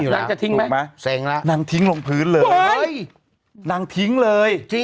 นางจะทิ้งมั้ยนางทิ้งลงพื้นเลยนางทิ้งเลย